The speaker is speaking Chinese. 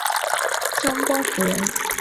张光辅人。